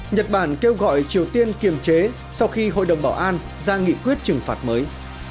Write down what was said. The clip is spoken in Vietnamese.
nhật bản kêu gọi triều tiên kiềm chế sau khi hội đồng bảo an ra nghị quyết trừng phạt mới